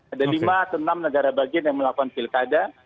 ada lima atau enam negara bagian yang melakukan pilkada